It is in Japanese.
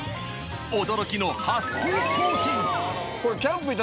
驚きの撥水商品。